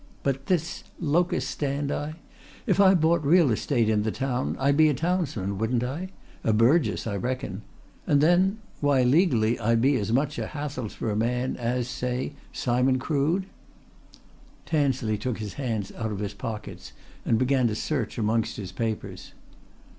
But this locus standi? If I bought real estate in the town, I'd be a townsman, wouldn't I? A burgess, I reckon. And then why legally I'd be as much a Hathelsborough man as, say, Simon Crood?" Tansley took his hands out of his pockets and began to search amongst his papers.